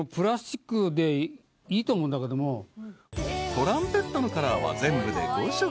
［トランペットのカラーは全部で５色］